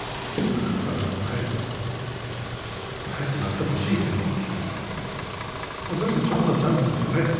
だから早くなってほしいけどだけどチャンスはチャンスですよね。